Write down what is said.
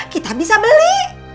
kita bisa beli